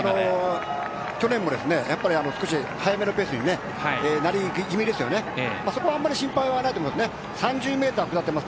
去年も少し速めのペースでなり気味でしたがそこはあまり心配はないと思います。